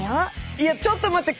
いやちょっと待って！